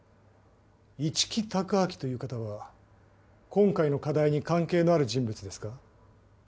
一木孝明という方は今回の課題に関係のある人物ですか？